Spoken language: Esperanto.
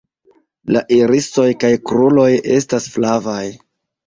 La irisoj kaj kruroj estas flavaj.